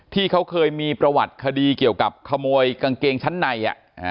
ที่เขาเคยมีประวัติคดีเกี่ยวกับขโมยกางเกงชั้นใน